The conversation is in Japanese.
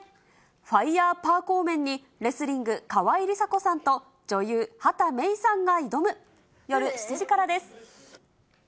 ファイヤーパーコー麺にレスリング、川井梨紗子さんと女優、畑芽育さんが挑む。